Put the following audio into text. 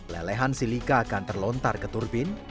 lelehan silika akan terlontar ke turbin